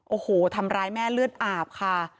โอ้โหทำร้ายแม่เลือดอาบค่ะ